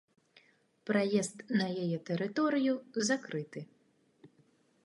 Праезд на яе тэрыторыю закрыты.